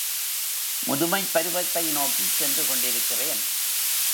முதுமைப் பருவத்தை நோக்கிச் சென்று கொண்டிருக்கிறேன்.